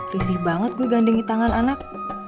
risih banget gue gandingi tangan anak